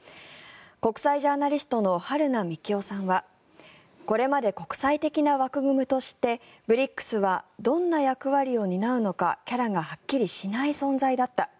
国際ジャーナリストの春名幹男さんはこれまで国際的な枠組みとしてＢＲＩＣＳはどんな役割を担うのかキャラがはっきりしない存在だった。